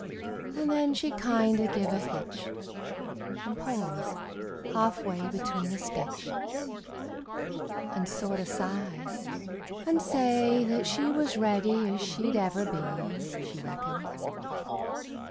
And then she'd kinder give a hitch, And pause half way between a stitch, And sorter sigh, and say that she Was ready as she'd ever be, She reckoned.